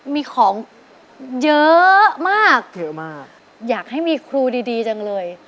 มีของเยอะมากอยากให้มีครูดีจังเลย